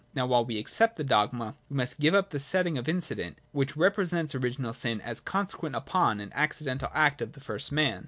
Now while we accept the dogma, we must give up the setting of incident which represents original sin as consequent upon an acci dental act of the first man.